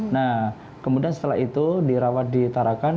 nah kemudian setelah itu dirawat di tarakan